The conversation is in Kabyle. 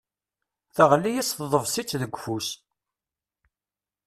Teɣli-yas tḍebsit deg ufus.